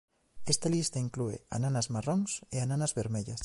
Esta lista inclúe ananas marróns e ananas vermellas.